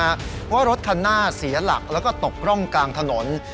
เพราะว่ารถคันหน้าเสียหลักแล้วก็ตกร่องกลางถนน